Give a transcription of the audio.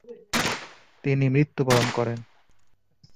তিনি মৃত্যুবরণ করেন।